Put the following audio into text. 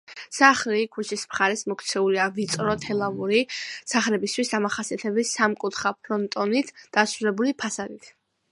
სახლი ქუჩის მხარეს მოქცეულია ვიწრო, თელავური სახლებისთვის დამახასიათებელი, სამკუთხა ფრონტონით დასრულებული ფასადით.